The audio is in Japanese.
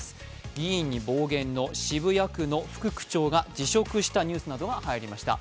議員に暴言の渋谷区の副区長が辞職したニュースなどが入りました。